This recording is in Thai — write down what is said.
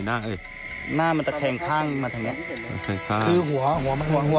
หน้ามันจะแข็งข้างมาตรงเนี้ย